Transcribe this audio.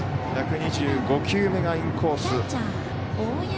１２５球目がインコース。